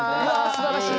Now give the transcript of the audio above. すばらしい！